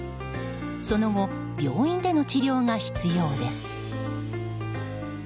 その後、病院での治療が必要です。